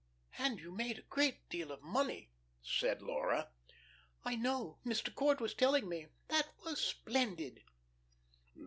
"And you made a great deal of money," said Laura. "I know. Mr. Court was telling me. That was splendid."